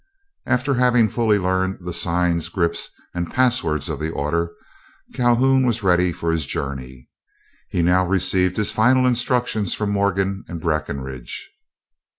After having fully learned the signs, grips, and passwords of the order, Calhoun was ready for his journey. He now received his final instructions from Morgan and Breckinridge.